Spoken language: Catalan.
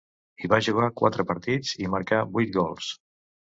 Hi va jugar quatre partits, i marcà vuit gols.